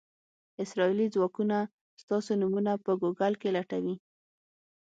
اسرائیلي ځواکونه ستاسو نومونه په ګوګل کې لټوي.